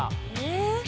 え。